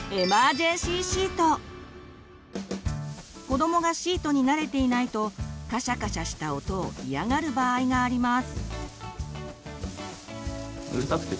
子どもがシートに慣れていないとカシャカシャした音を嫌がる場合があります。